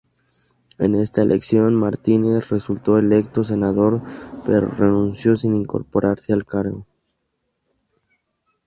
En esta elección, Martínez resultó electo senador pero renunció sin incorporarse al cargo.